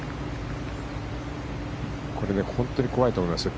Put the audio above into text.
本当に怖いと思いますよ。